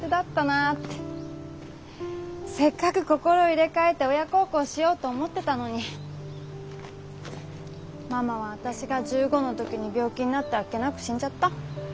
せっかく心を入れ替えて親孝行しようと思ってたのにママは私が１５の時に病気になってあっけなく死んじゃった。